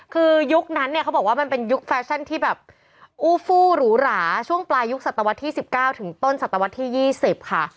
คือยุคนั้นเนี่ยเขาบอกว่ามันเป็นยุคแฟชั่นที่แบบอู้ฟู้หรูหราช่วงปลายยุคศตวรรษที่๑๙ถึงต้นศัตวรรษที่๒๐ค่ะ